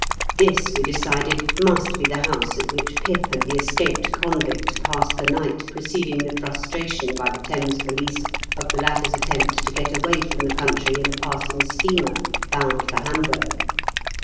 This we decided must be the house at which Pip and the escaped convict passed the night preceding the frustration by the Thames police of the latter's attempt to get away from the country in a passing GBAVE8END MARSH. 17 steamer bound for Hamburg.